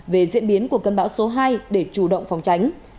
về diễn biến của cơn bão số hai để chủ động phòng tránh